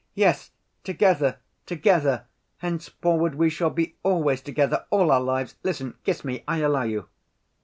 "Yes, together, together! Henceforward we shall be always together, all our lives! Listen, kiss me, I allow you."